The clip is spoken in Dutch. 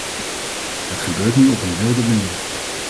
Het gebeurt nu op een wilde manier.